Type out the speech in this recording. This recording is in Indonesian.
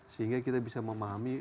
sehingga kita bisa memahami